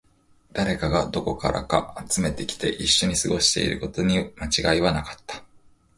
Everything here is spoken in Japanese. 誰かがどこからか集めてきて、一緒に過ごしていることに間違いはなかった